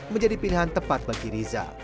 menjadi pilihan tepat bagi riza